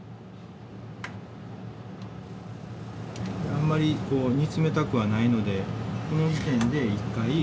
あんまり煮詰めたくはないのでこの時点で一回。